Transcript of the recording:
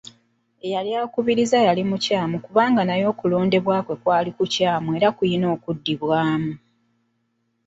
Eyali akukubiriza yali mukyamu kuba naye okulondebwa kwe kwali kukyamu era kulina okuddibwamu.